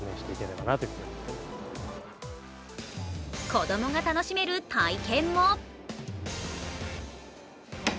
子供が楽しめる体験も。